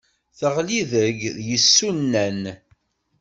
Teɣli deg yisunan.